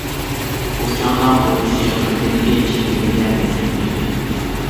بۇ چاغدا ئۇ كىشى قەلبىدىكى چەكلىمىگە دۇچ كېلىدۇ.